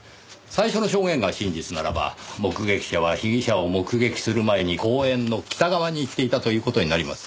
最初の証言が真実ならば目撃者は被疑者を目撃する前に公園の北側に行っていたという事になります。